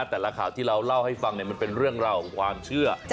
แต่ละข่าวที่เราเล่าให้ฟังมันเป็นเรื่องราวของความเชื่อ